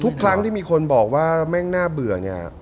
ทุกครั้งที่มีคนบอกว่าแม่งน่าเบื่อเนี่ย